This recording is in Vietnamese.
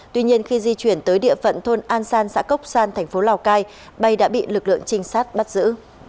tuy nhiên khi di chuyển đến địa điểm giao hàng đã hẹn tại khu vực biên giới thì bị lực lượng trinh sát phát hiện bắt giữ